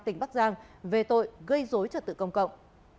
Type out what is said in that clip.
tỉnh bắc giang về tội gây dối trật tự công cộng